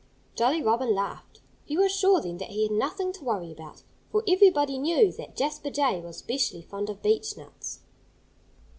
Jolly Robin laughed. He was sure, then, that he had nothing to worry about. For everybody knew that Jasper Jay was specially fond of beechnuts.